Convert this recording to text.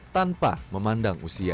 tanpa memandang usia